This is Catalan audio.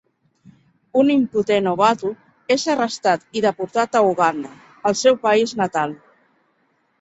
Un impotent Obatu és arrestat i deportat a Uganda, el seu país natal.